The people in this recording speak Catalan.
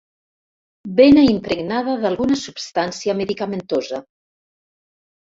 Bena impregnada d'alguna substància medicamentosa.